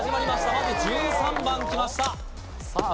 まず１３番きましたさあ